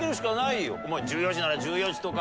１４時なら１４時とか。